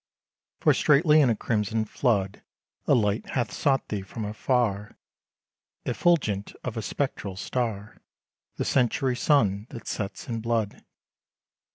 1 02 IN THE BEGINNING. For straightly, in a crimson flood, A light hath sought thee from afar, Effulgent of a spectral star The century sun that sets in blood.